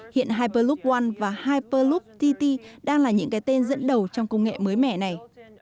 hiện hyperloop one và hyperloop tt đang là những cái tên dẫn đầu trong công nghệ mới mẻ này